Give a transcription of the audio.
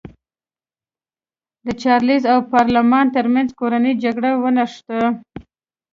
د چارلېز او پارلمان ترمنځ کورنۍ جګړه ونښته.